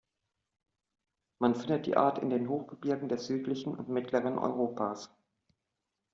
Man findet die Art in den Hochgebirgen des südlichen und mittleren Europas.